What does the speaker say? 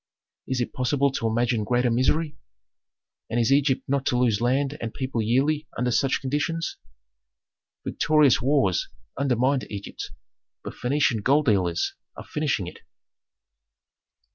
Is it possible to imagine greater misery? And is Egypt not to lose land and people yearly under such conditions? Victorious wars undermined Egypt, but Phœnician gold dealers are finishing it."